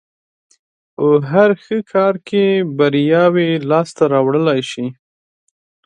په هر ښه کار کې برياوې لاس ته راوړلای شي.